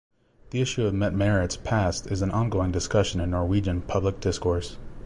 The issue of Mette-Marit's past is an ongoing discussion in Norwegian public discourse.